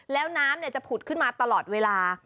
แล้วน้ำจะผุดขึ้นมาตลอดเวลา